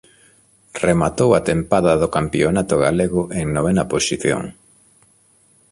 Rematou a tempada do campionato galego en novena posición.